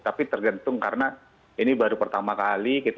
tapi tergantung karena ini baru pertama kali